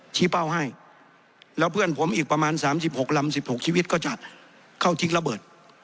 ชี้เป้าให้แล้วเพื่อนผมอีกประมาณสามสิบหกลำสิบหกชีวิตก็จะเข้าทิ้งระเบิด